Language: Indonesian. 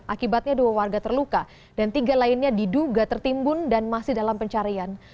akibatnya dua warga terluka dan tiga lainnya diduga tertimbun dan masih dalam pencarian